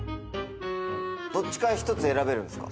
どっちか１つ選べるんですか？